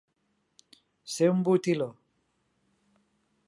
Ser un botiló.